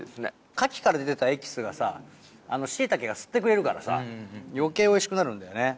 牡蠣から出てたエキスがさ椎茸が吸ってくれるからさ余計おいしくなるんだよね。